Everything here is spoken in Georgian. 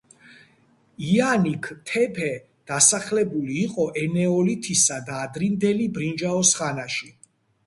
იანიქ-თეფე დასახლებული იყო ენეოლითისა და ადრინდელი ბრინჯაოს ხანში.